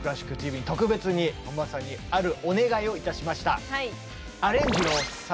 特別に本間さんにあるお願いをいたしました。